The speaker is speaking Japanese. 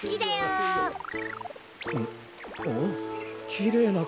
きれいなかわだ。